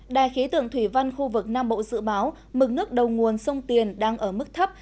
đài khí tượng thủy văn khu vực nam bộ dự báo mực nước đầu nguồn sông tiền đang ở mức thấp